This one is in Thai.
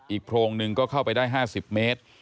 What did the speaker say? โพรงหนึ่งก็เข้าไปได้๕๐เมตร